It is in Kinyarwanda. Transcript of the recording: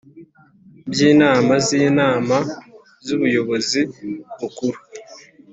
By inama z inama z ubuyobozi bukuru